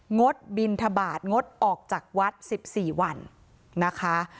งดบิณฑบาตงดออกจากวัดสิบสี่วันนะคะ